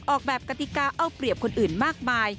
ออกแบบกติกาเอาเปรียบคนอื่นมากมาย